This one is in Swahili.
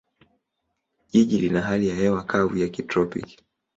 Jiji lina hali ya hewa kavu ya kitropiki.